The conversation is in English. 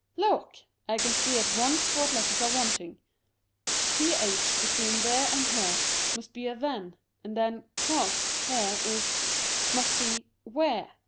Look ! I can see at once what letters are wanting ; th — between there and here must be than, and then ►p here is, must be, where.